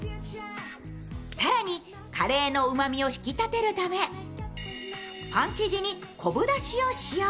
更に、カレーのうまみを引き立てるためパン生地に昆布だしを使用。